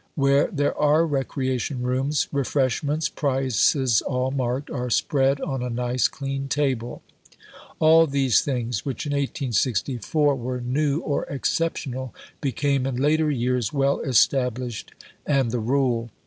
Where there are recreation rooms, refreshments (prices all marked) are spread on a nice clean table." All these things, which in 1864 were new or exceptional, became in later years well established and the rule.